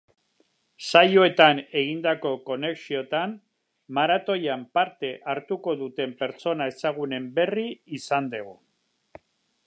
Saioetan egindako konexioetan, maratoian parte hartuko duten pertsona ezagunen berri izan dugu.